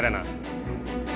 ini tidak enak